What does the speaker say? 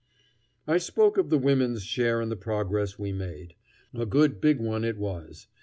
I spoke of the women's share in the progress we made. A good big one it was.